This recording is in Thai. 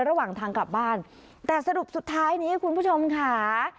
ระหว่างทางกลับบ้านแต่สรุปสุดท้ายนี้คุณผู้ชมค่ะ